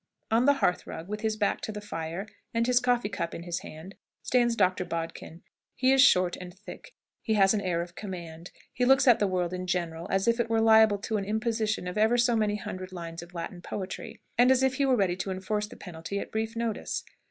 On the hearth rug, with his back to the fire, and his coffee cup in his hand, stands Dr. Bodkin. He is short and thick. He has an air of command. He looks at the world in general as if it were liable to an "imposition" of ever so many hundred lines of Latin poetry, and as if he were ready to enforce the penalty at brief notice.